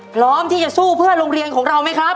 พร้อมที่จะสู้เพื่อโรงเรียนของเราไหมครับ